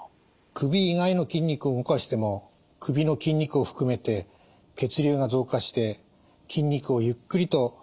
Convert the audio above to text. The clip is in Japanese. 首以外の筋肉を動かしても首の筋肉を含めて血流が増加して筋肉をゆっくりと解きほぐすことができます。